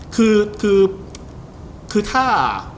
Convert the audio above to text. คือคือคือท่า